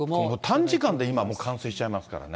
短時間でもう冠水しちゃいますからね。